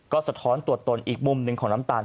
ก็สะท้อนตัวตนอีกมุมหนึ่งของน้ำตาล